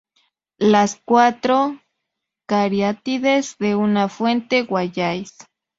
Las cuatro cariátides de una fuente Wallace